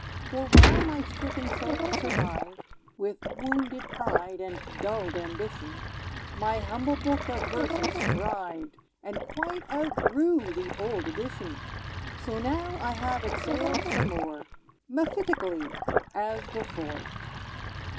For while my stricken soul survived, With wounded pride and dulled ambition, My humble book of verses thrived And quite outgrew the old edition! So now I have exhaled some more, Mephitically, as before!